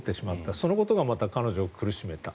そのことがまた彼女を苦しめた。